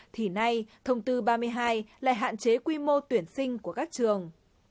thì nay thông tư ba mươi hai lại hạn chế quy mô tuyển sinh của các trường